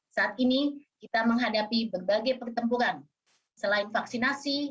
saat ini kita menghadapi berbagai pertempuran selain vaksinasi